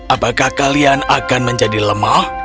apakah kalian akan menjadi lemah